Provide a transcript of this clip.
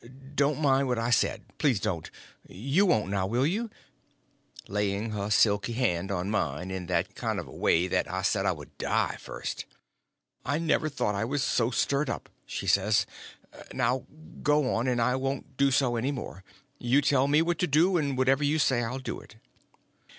"Don't mind what I said—please don't—you won't, now, will you?" Laying her silky hand on mine in that kind of a way that I said I would die first. "I never thought, I was so stirred up," she says; "now go on, and I won't do so any more. You tell me what to do, and whatever you say I'll do it."